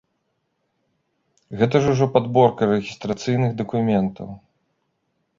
Гэта ж ужо падробка рэгістрацыйных дакументаў.